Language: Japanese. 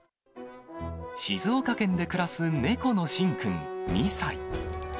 静岡県で暮らす猫のシン君２歳。